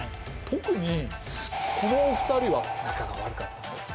特にこのお二人は仲が悪かったんです。